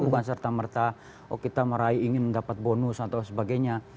bukan serta merta oh kita meraih ingin mendapat bonus atau sebagainya